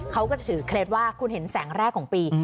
เขาก็จะถือเคล็ดว่าคุณเห็นแสงแรกของปี